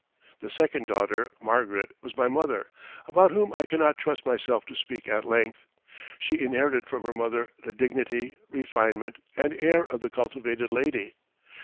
The second daughter, Margaret, was my mother, about whom I cannot trust myself to speak at length. She inherited from her mother the dignity, refinement, and air of the cultivated lady.